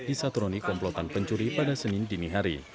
disatroni komplotan pencuri pada senin dini hari